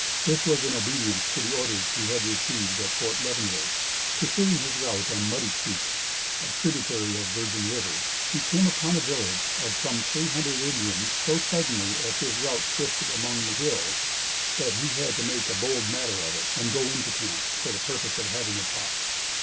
This was in obedience to the orders he had received at Fort Leavenworth. Pursuing his route on Muddy Creek, a tributary of Virgin River, he came upon a village of some three hundred Indians, so suddenly, as his route twisted about among the hills, that he had to make a bold matter of it, and go into camp, for the purpose of having a "talk."